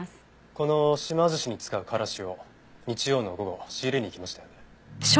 この島ずしに使うカラシを日曜の午後仕入れに行きましたよね？